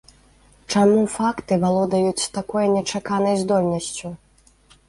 Чаму факты валодаюць такой нечаканай здольнасцю?